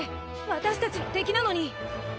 私たちの敵なのに！